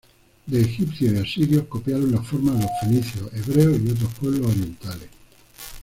De egipcios y asirios copiaron la forma los fenicios, hebreos y otros pueblos orientales.